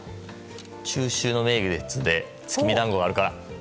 中秋の名月で月見団子があるから。